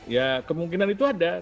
ya kemungkinan itu ada